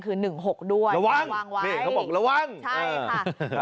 คือหนึ่งหกด้วยระวังค่ะเฮี้ยเขาบอกระวังใช่ค่ะ